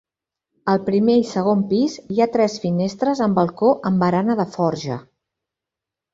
Al primer i segon pis hi ha tres finestres amb balcó amb barana de forja.